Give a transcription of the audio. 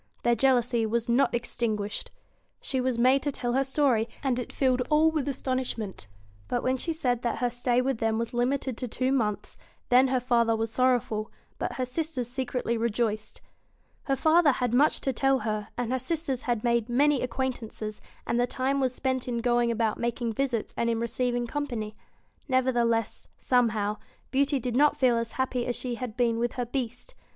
Their jealousy was not extinguished. She was made to tell her story, and it filled all with astonishment. But when she said that her stay with them was limited to two months, then /her father was sorrowful, but her sisters secretly v rejoiced. Her father had much to tell her, and her sisters had made many acquaintances, and the time was spent in going about making visits and in receiv ing company. Nevertheless, somehow, Beauty did not feel as happy as she had been with her Beast.